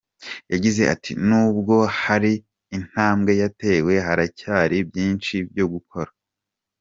Yagize ati “ Nubwo hari intambwe yatewe, haracyari byinshi byo gukora.